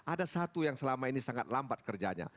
ada satu yang selama ini sangat lambat kerjanya